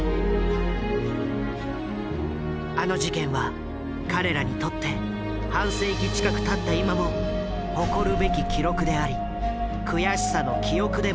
あの事件は彼らにとって半世紀近くたった今も誇るべき記録であり悔しさの記憶でもあるのだ。